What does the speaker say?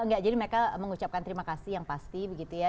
enggak jadi mereka mengucapkan terima kasih yang pasti begitu ya